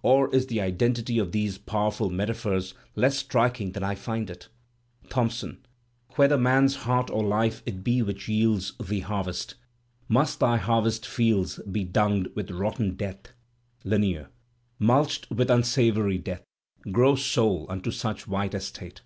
Or is the identity of these powerful metaphors less striking than I find it? Thompson: Whether man's heart or life it be which yields Thee Harvest, must thy harvest fields Be dwiged with rotten death? Lanieb: Mulched with unsavory death. Grow, Soul! unto such white estate.